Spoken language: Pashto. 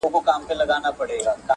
• اوازې په کلي کي ډېر ژر خپرېږي..